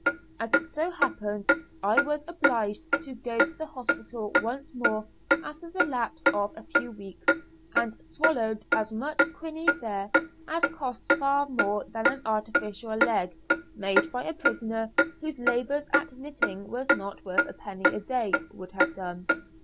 As it so happened, I was obliged to go to the hospital once more after the lapse of a few weeks, and swallowed as much quinine there as cost far more than an artificial leg, made by a prisoner whose labour at knitting was not worth a penny a day, would have done!